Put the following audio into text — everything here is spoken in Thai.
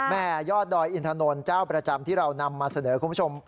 ยอดดอยอินถนนเจ้าประจำที่เรานำมาเสนอคุณผู้ชม